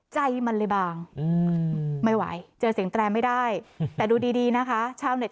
ใจมันเลยบางไม่ไหวเจอเสียงแตรไม่ได้แต่ดูดีดีนะคะชาวเต็